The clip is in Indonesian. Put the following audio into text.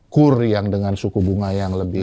kur yang dengan suku bunga yang lebih